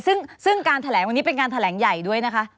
ซึ่งการแถลงวันนี้เป็นการแถลงใหญ่ด้วยนะคะ